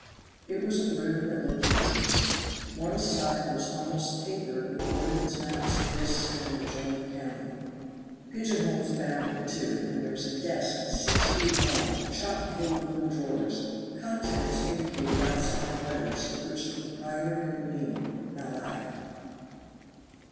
It was a room that looked business. One side was almost papered with ordnance maps of this and an adjoining county. Pigeon holes abounded, too, and there was a desk six feet long, chock full of little drawers contents indicated outside in letters of which the proprietor knew the meaning, not I.